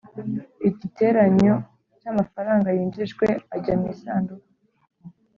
igiteranyo cy amafaranga yinjijwe ajya mu isanduku